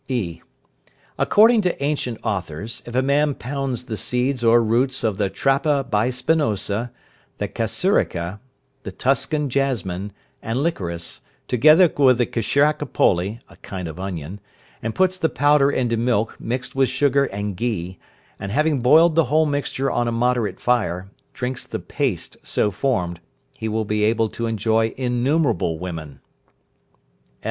(e). According to ancient authors, if a man pounds the seeds or roots of the trapa bispinosa, the kasurika, the tuscan jasmine, and liquorice, together with the kshirakapoli (a kind of onion), and puts the powder into milk mixed with sugar and ghee, and having boiled the whole mixture on a moderate fire, drinks the paste so formed, he will be able to enjoy innumerable women.